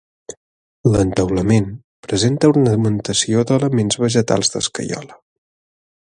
L'entaulament presenta ornamentació d'elements vegetals d'escaiola.